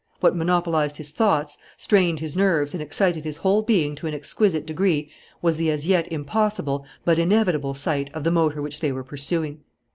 What monopolized his thoughts, strained his nerves, and excited his whole being to an exquisite degree was the as yet impossible but inevitable sight of the motor which they were pursuing.